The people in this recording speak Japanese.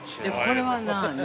◆これは何？